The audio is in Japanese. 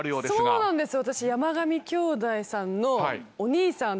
そうなんですよ。